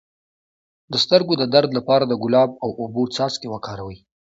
د سترګو د درد لپاره د ګلاب او اوبو څاڅکي وکاروئ